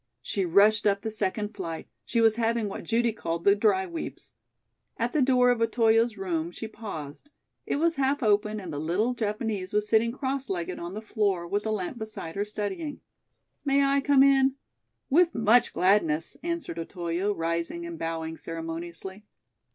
She rushed up the second flight. She was having what Judy called "the dry weeps." At the door of Otoyo's room she paused. It was half open and the little Japanese was sitting cross legged on the floor with a lamp beside her, studying. "May I come in?" "With much gladness," answered Otoyo, rising and bowing ceremoniously.